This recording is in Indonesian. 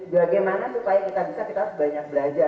bagaimana supaya kita bisa kita harus banyak belajar